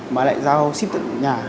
mà lại giao ship tận nhà